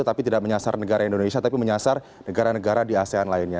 tapi tidak menyasar negara indonesia tapi menyasar negara negara di asean lainnya